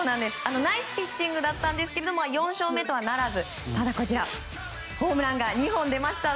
ナイスピッチングだったんですが４勝目とはならずホームランが２本出ました。